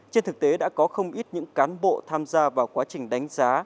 trên thực tế đã có không ít những cán bộ tham gia vào quá trình đánh giá